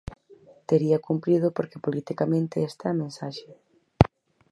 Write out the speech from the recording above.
Tería cumprido porque politicamente esta é a mensaxe.